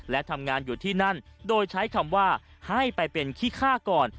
และทำงานอยู่ที่นั่นโดยใช้คำว่าให้ไปเป็นขี้ฆ่าก่อน